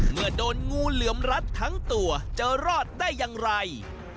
เมื่อโดนงูเหลือมรัดทั้งตัวจะรอดได้อย่างไร